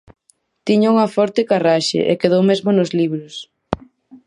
Tiña unha forte carraxe, e quedou mesmo nos libros